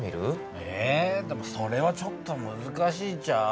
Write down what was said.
え⁉でもそれはちょっとむずかしいんちゃう？